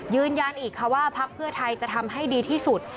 ยืนยันอีกค่ะว่าพักเพื่อไทยจะทำให้ดีที่สุด